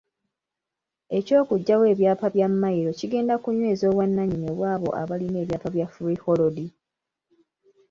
Eky'okuggyawo ebyapa bya Mmayiro kigenda kunyweza obwannannyini obw'abo abalina ebyapa bya freehold.